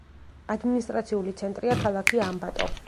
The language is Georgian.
ადმინისტრაციული ცენტრია ქალაქი ამბატო.